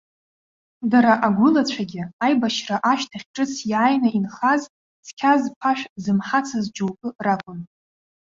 Дара, агәылацәагьы, аибашьра ашьҭахь ҿыц иааины инхаз, цқьа зԥашә зымҳацыз џьоукы ракәын.